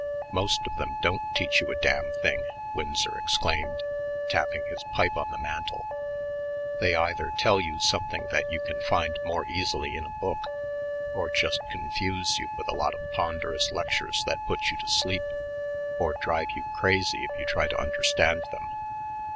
"Most of them don't teach you a damn thing," Winsor exclaimed, tapping his pipe on the mantel. "They either tell you something that you can find more easily in a book, or just confuse you with a lot of ponderous lectures that put you to sleep or drive you crazy if you try to understand them."